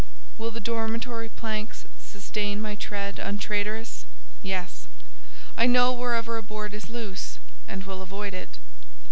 Will the dormitory planks sustain my tread untraitorous? Yes. I know wherever a board is loose, and will avoid it.